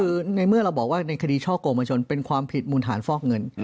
คือในเมื่อเราบอกว่าในคดีช่อกงมาชนเป็นความผิดมูลฐานฟอกเงิน